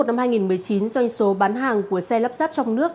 doanh số bán hàng của xe lắp ráp trong nước